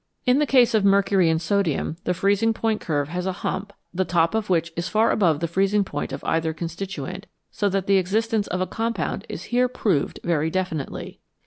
In the case of mercury and sodium the freezing point curve has a hump the top of which is far above the freezing point of either constituent, so that the existence of a compound is here proved very definitely.